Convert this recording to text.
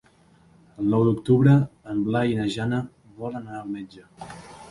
El nou d'octubre en Blai i na Jana volen anar al metge.